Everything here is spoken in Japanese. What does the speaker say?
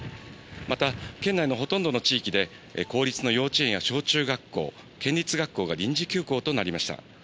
また、県内のほとんどの地域で公立の幼稚園や小中学校、県立学校が臨時休校となりました。